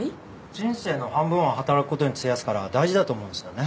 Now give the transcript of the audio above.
人生の半分は働くことに費やすから大事だと思うんですよね。